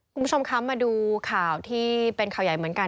คุณผู้ชมคะมาดูข่าวที่เป็นข่าวใหญ่เหมือนกัน